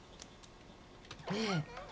ねえ。